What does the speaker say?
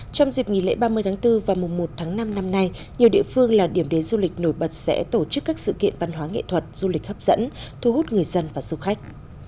trong dịp nghỉ lễ ba mươi tháng bốn và mùa một tháng năm năm nay nhiều địa phương là điểm đến du lịch nổi bật sẽ tổ chức các sự kiện văn hóa nghệ thuật du lịch hấp dẫn thu hút người dân và du khách